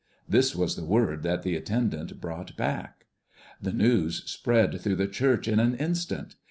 This was the word that the attendant brought back. The news spread through the church in an instant.